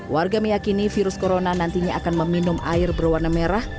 warga meyakini virus corona nantinya akan meminum air berwarna merah